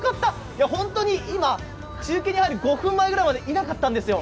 本当に今、中継に入る５分前ぐらいまでいなかったんですよ。